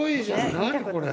何これ？